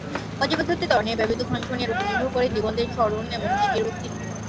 পর্যবেক্ষকের ত্বরণের ব্যবহৃত ফাংশন এর উপর নির্ভর করে দিগন্তের সরণ এমনকি এর অস্তিত্ব।